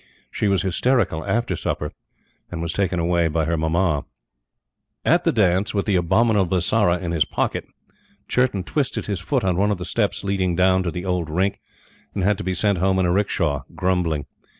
She was hysterical after supper, and was taken away by her Mamma. At the dance, with the abominable Bisara in his pocket, Churton twisted his foot on one of the steps leading down to the old Rink, and had to be sent home in a rickshaw, grumbling.